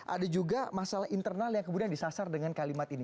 ada juga masalah internal yang kemudian disasar dengan kalimat ini